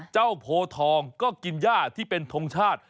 โพทองก็กินย่าที่เป็นทงชาติ